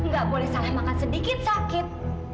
nggak boleh salah makan sedikit sakit